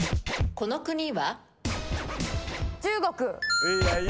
この国は？